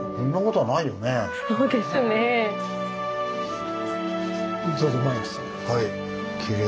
はい。